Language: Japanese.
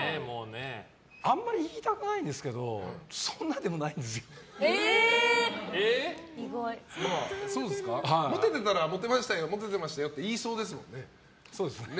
あんまり言いたくないですけどそんなでもないんですよ。モテてたらモテてましたよって言いそうですよね。